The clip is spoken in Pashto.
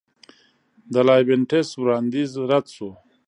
د لایبینټس وړاندیز رد شو.